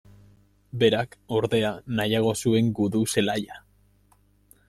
Berak, ordea, nahiago zuen gudu zelaia.